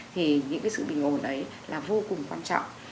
thì những cái sự bình ổn đấy là vô cùng quan trọng